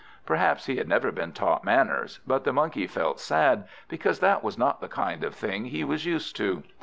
Perhaps he had never been taught manners, but the Monkey felt sad, because that was not the kind of thing he was used to.